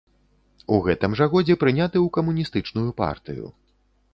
У гэтым жа годзе прыняты ў камуністычную партыю.